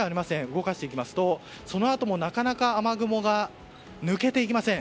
動かしていきますとそのあとも、なかなか雨雲が抜けていきません。